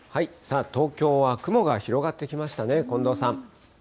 東京は雲が広がってきましたね。